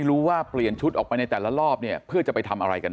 รู้ว่าเปลี่ยนชุดออกไปในแต่ละรอบเนี่ยเพื่อจะไปทำอะไรกัน